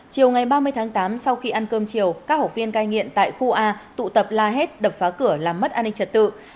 chiều ngày ba mươi tháng tám sau khi ăn cơm chiều các học viên cai nghiện tại khu a tụ tập la hét đập phá cửa làm mất an ninh trật tự